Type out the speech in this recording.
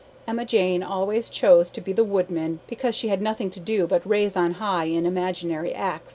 Emma Jane always chose to be the woodman because she had nothing to do but raise on high an imaginary axe.